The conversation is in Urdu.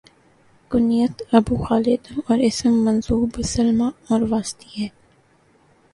کنیت ابو خالد اور اسم منسوب سلمی اور واسطی ہے